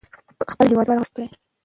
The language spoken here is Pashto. خپل هېوادوال غښتلي کړئ.